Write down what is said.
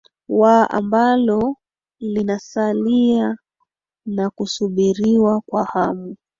wa ambalo linasalia na kusubiriwa kwa hamu